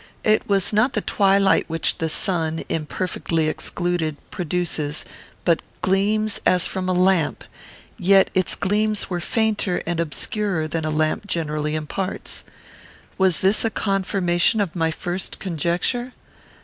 It was not the twilight which the sun, imperfectly excluded, produces, but gleams, as from a lamp; yet its gleams were fainter and obscurer than a lamp generally imparts. Was this a confirmation of my first conjecture?